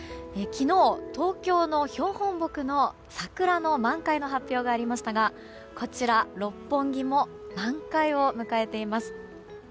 昨日、東京の標本木の桜の満開の発表がありましたがこちら、六本木も満開を迎えています。